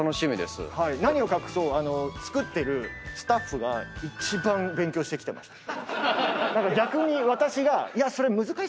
何を隠そう作ってるスタッフが一番勉強してきてました。